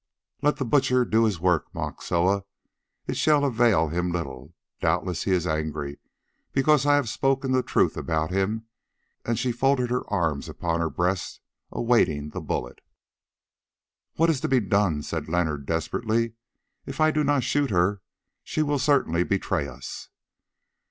"Let the butcher do his work," mocked Soa; "it shall avail him little. Doubtless he is angry because I have spoken the truth about him," and she folded her arms upon her breast, awaiting the bullet. "What is to be done?" said Leonard desperately. "If I do not shoot her, she will certainly betray us."